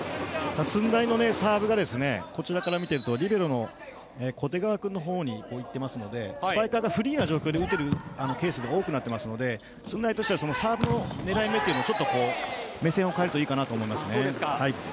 駿台のサーブがこちらから見ているとリベロの小手川君の方にいっていますのでスパイカーがフリーな状況で打てるケースが多くなっているので駿台としてはサーブの狙い目を目線を変えるといいかなと思います。